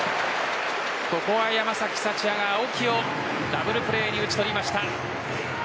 ここは山崎福也が青木をダブルプレーに打ち取りました。